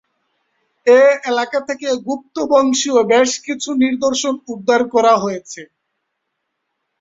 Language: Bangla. এ এলাকা থেকে গুপ্ত বংশীয় বেশ কিছু নিদর্শন উদ্ধার করা হয়েছে।